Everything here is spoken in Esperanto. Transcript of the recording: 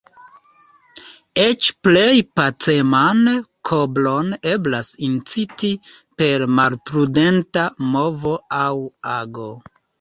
Eĉ plej paceman kobron eblas inciti per malprudenta movo aŭ ago.